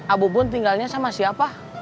abu bun tinggalnya sama siapa